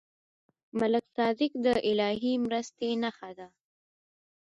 ملک صادق د الهي مرستې نښه ده.